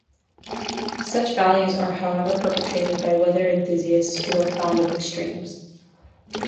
Such values are however perpetuated by weather enthusiasts who are fond of extremes.